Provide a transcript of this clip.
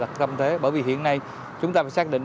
tâm thế bởi vì hiện nay chúng ta phải xác định